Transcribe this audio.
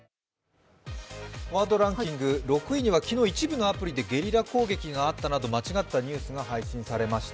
ワードランキング６位には昨日、一部のアプリでゲリラ攻撃があったなどの間違った情報が配信されました。